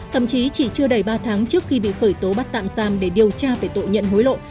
thậm chí chỉ chưa đầy ba tháng trước khi bị khởi tố bắt tạm giam để điều tra về tội nhận hối lộ